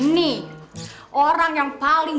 nih orang yang paling